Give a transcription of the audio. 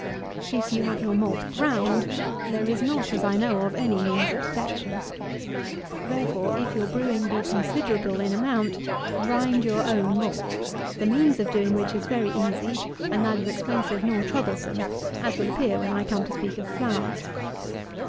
If you have your malt ground, there is not, as I know of, any means of detection. Therefore, if your brewing be considerable in amount, grind your own malt, the means of doing which is very easy, and neither expensive nor troublesome, as will appear, when I come to speak of flour.